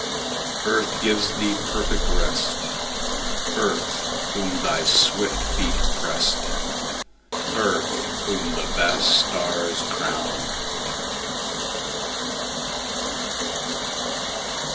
Earth gives thee perfect rest:Earth, whom thy swift feet pressed:Earth, whom the vast stars crown.